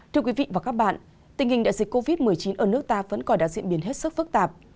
thưa quý vị và các bạn tình hình đại dịch covid một mươi chín ở nước ta vẫn còn đã diễn biến hết sức phức tạp